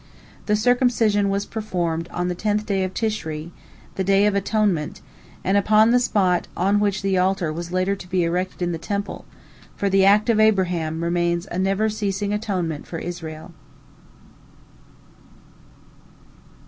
" The circumcision was performed on the tenth day of Tishri, the Day of Atonement, and upon the spot on which the altar was later to be erected in the Temple, for the act of Abraham remains a never ceasing atonement for Israel.